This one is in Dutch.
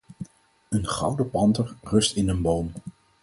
Een gouden panter rust in een boom.